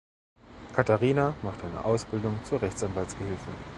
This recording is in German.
Katharina macht eine Ausbildung zur Rechtsanwaltsgehilfin.